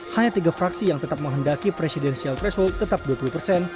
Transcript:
hanya tiga fraksi yang tetap menghendaki presidensial threshold tetap dua puluh persen